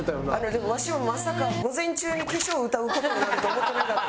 でもわしもまさか午前中に『化粧』を歌う事になるとは思ってなかった。